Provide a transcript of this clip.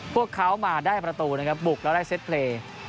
พวกเขามาได้ประตูนะครับบุกแล้วได้เซ็ตเพลย์